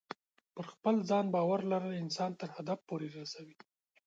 پر خپل ځان باور لرل انسان تر هدف پورې رسوي.